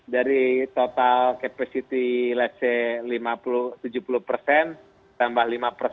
dari total kapasitas let s say tujuh puluh tambah lima